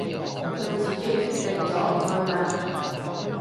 佢自己決定咗唔去啦